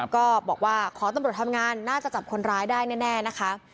ก็บอกว่าขอตำรวจทำงานน่าจะจับคนร้ายได้แน่นะคะ